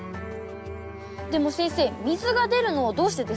でも先生水が出るのはどうしてですか？